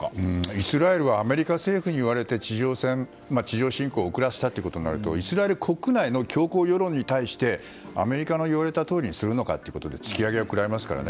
イスラエルはアメリカ政府に言われて地上侵攻を遅らせたとなるとイスラエル国内の強硬世論に対してアメリカの言われたとおりにするのかということで突き上げを食らいますからね。